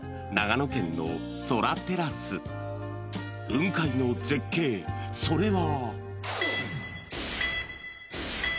［雲海の絶景それは］